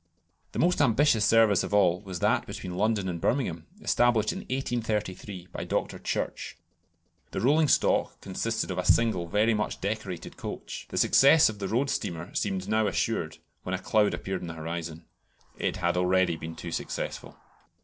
The most ambitious service of all was that between London and Birmingham, established in 1833 by Dr. Church. The rolling stock consisted of a single very much decorated coach. The success of the road steamer seemed now assured, when a cloud appeared on the horizon. It had already been too successful.